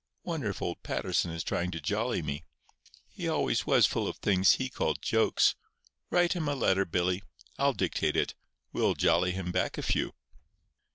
Wonder if old Patterson is trying to jolly me! He always was full of things he called jokes. Write him a letter, Billy. I'll dictate it. We'll jolly him back a few."